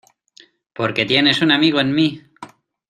Porque tienes un amigo en mí.